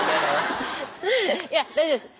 いや大丈夫です。